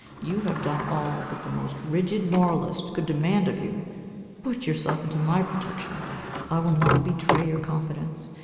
You have done all that the most rigid moralist could demand of you. Put yourself into my protection. I will not betray your confidence.